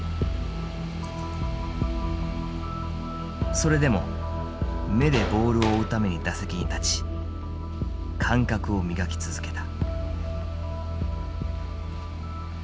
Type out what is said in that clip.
それでも目でボールを追うために打席に立ち感覚を磨き続けた。